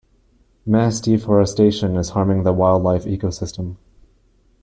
Mass deforestation is harming the wildlife ecosystem.